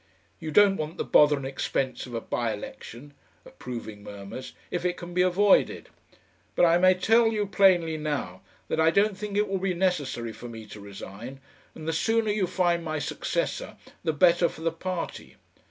You don't want the bother and expense of a bye election (approving murmurs) if it can be avoided. But I may tell you plainly now that I don't think it will be necessary for me to resign, and the sooner you find my successor the better for the party.